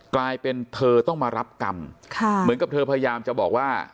กลายเป็นเธอต้องมารับกรรมค่ะเหมือนกับเธอพยายามจะบอกว่า